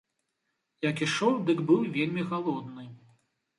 Як ішоў, дык быў вельмі галодны.